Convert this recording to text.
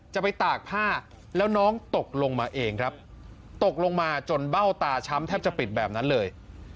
ไปตากผ้าแล้วน้องตกลงมาเองครับตกลงมาจนเบ้าตาช้ำแทบจะปิดแบบนั้นเลย